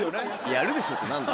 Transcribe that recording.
「やるでしょ」って何だ？